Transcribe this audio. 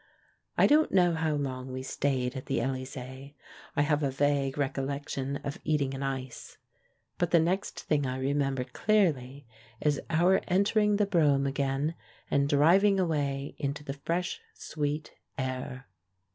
I don't know how long we stayed at the Elysee ; I have a vague recollection of eating an ice. But the next thing I remember clearly is our entering the brougham again, and driving away into the fresh sweet air.